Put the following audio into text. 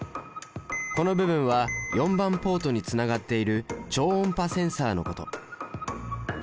この部分は４番ポートにつながっている超音波センサのこと。